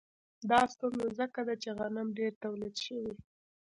دا ستونزه ځکه ده چې غنم ډېر تولید شوي